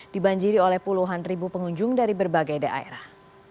dibanjiri oleh puluhan ribu pengunjung dari berbagai daerah